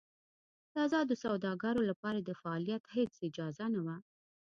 د ازادو سوداګرو لپاره د فعالیت هېڅ اجازه نه وه.